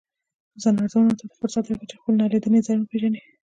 ځان ارزونه تاته فرصت درکوي، چې خپل نالیدلی ځان وپیژنې